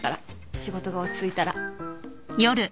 仕事が落ち着いたら。